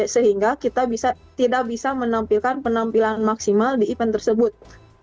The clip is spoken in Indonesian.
sehingga kita tidak bisa menampilkan penampilan maksimal di event tersebut